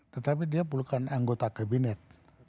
tetapi dia bukan anggota kabinet